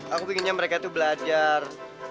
aku pinginnya mereka tuh belajar